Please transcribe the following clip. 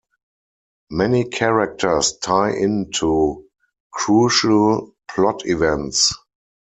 Many characters tie in to crucial plot events.